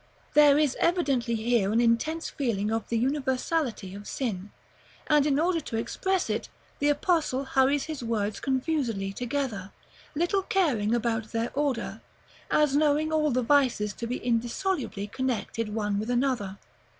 There is evidently here an intense feeling of the universality of sin; and in order to express it, the Apostle hurries his words confusedly together, little caring about their order, as knowing all the vices to be indissolubly connected one with another.